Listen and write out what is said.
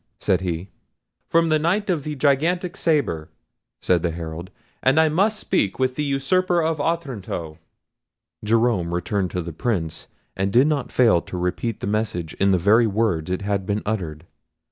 said he. "From the Knight of the Gigantic Sabre," said the Herald; "and I must speak with the usurper of Otranto." Jerome returned to the Prince, and did not fail to repeat the message in the very words it had been uttered.